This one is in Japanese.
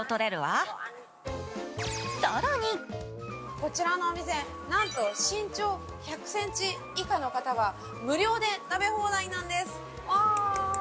こちらのお店、なんと身長１００ｃｍ以下の方は無料で食べ放題なんです。